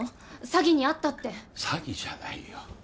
詐欺に遭ったって詐欺じゃないよ